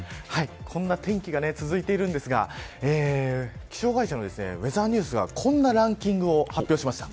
こんな天気が続いているんですが気象会社のウェザーニュースがこんなランキングを発表しました。